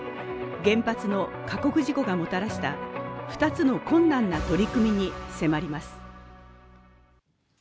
原発の過酷事故がもたらした２つの困難な取り組みに迫ります。